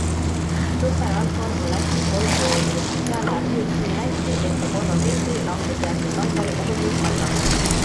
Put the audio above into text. SuperAlkol on Lätis kolm poodi, seal läheb müük nii hästi, et see korvab Eesti languse ning Aldari kogumüük kasvab.